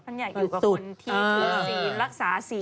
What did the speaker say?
ท่านอยากอยู่กับคนที่รักษาศีล